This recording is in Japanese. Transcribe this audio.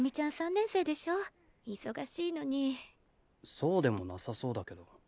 そうでもなさそうだけど。